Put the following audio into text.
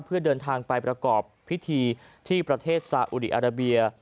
เพื่อเดินทางไปประกอบพิธีที่ประเทศซาอุดีอาราเบีย